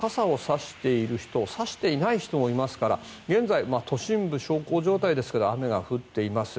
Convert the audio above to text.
ご覧のように傘を差している人差していない人もいますから現在、都心部は小康状態ですけど雨が降っています。